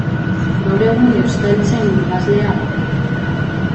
Gaur egun euskaltzain urgazlea da.